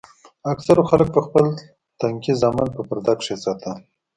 اکثرو خلکو به خپل تنکي زامن په پرده کښې ساتل.